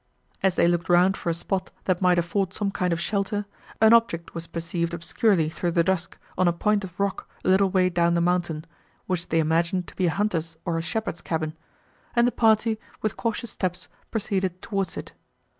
As they looked round for a spot, that might afford some kind of shelter, an object was perceived obscurely through the dusk, on a point of rock, a little way down the mountain, which they imagined to be a hunter's or a shepherd's cabin, and the party, with cautious steps, proceeded towards it.